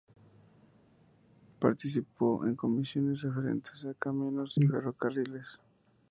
Participó en comisiones referentes a caminos y ferrocarriles.